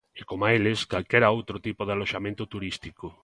E coma eles, calquera outro tipo de aloxamento turístico.